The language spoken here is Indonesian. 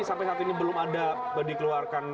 sampai saat ini belum ada dikeluarkan